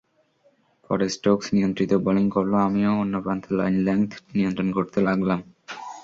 পরে স্টোকস নিয়ন্ত্রিত বোলিং করল, আমিও অন্য প্রান্তে লাইন-লেংথ নিয়ন্ত্রণ করতে লাগলাম।